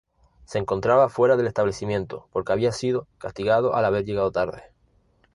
Se encontraba fuera del establecimiento, porque había sido castigado al haber llegado tarde.